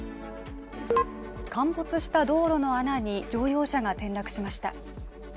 陥没した道路の穴に乗用車が転落しました。